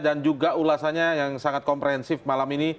dan juga ulasannya yang sangat komprehensif malam ini